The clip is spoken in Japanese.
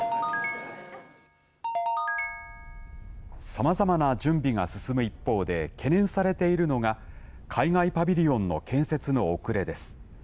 さまざまな準備が進む一方で懸念されているのが海外パビリオンの建設の遅れです。